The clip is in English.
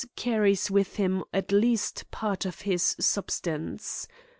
123 carries with him at least a part of his substance.